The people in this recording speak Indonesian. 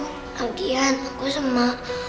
lagi kan aku sama